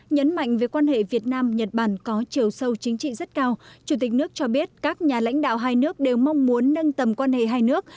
nhấn mạnh về quan hệ việt nam nhật bản có chiều sâu chính trị rất cao chủ tịch nước cho biết các nhà lãnh đạo hai nước đều mong muốn nâng tầm quan hệ hai nước